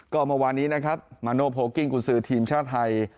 ก็เมื่อวานนี้มาโนโพกิงกุศือทีมชาติไทย